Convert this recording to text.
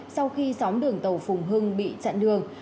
sau khi sóng đường tàu phùng hưng bị chặn đường